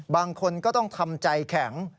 บางคนก็ต้องทำใจแข็ง